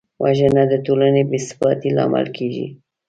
وژنه د ټولنې د بېثباتۍ لامل کېږي